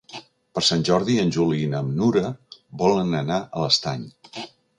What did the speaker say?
Per Sant Jordi en Juli i na Nura volen anar a l'Estany.